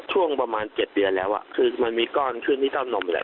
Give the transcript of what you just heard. ช่วงประมาณ๗เดือนแล้วคือมันมีก้อนขึ้นที่เต้านมแหละ